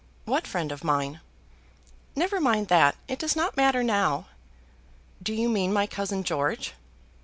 "What friend of mine?" "Never mind that; it does not matter now." "Do you mean my cousin George?"